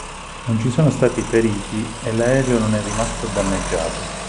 Non ci sono stati feriti e l'aereo non è rimasto danneggiato.